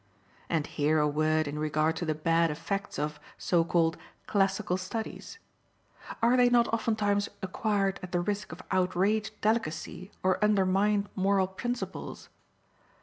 And here a word in regard to the bad effects of, so called, classical studies. Are they not oftentimes acquired at the risk of outraged delicacy or undermined moral principles?